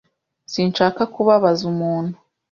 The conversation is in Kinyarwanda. Sinshaka kubabaza umuntu.